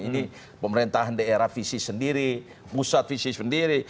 ini pemerintahan daerah fisik sendiri pusat fisik sendiri